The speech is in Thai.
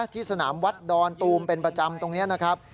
ที่สนามวัดดอนตูมเป็นประจำตรงนี้นะครับ